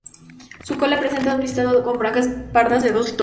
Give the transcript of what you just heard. Su cola presenta un listado con franjas pardas de dos tonos.